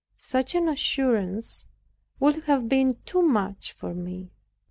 Such an assurance would have been too much for me.